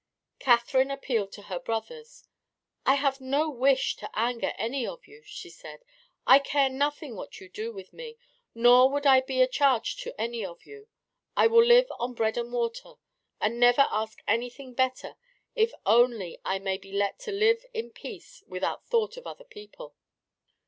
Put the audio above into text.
Catherine appealed to her brothers. "I have no wish to anger any of you," she said. "I care nothing what you do with me, nor would I be a charge to any of you. I will live on bread and water and never ask anything better if only I may be let to live in peace without thought of other people."